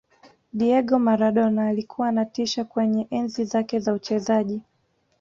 diego maradona alikuwa anatisha kwenye enzi zake za uchezaji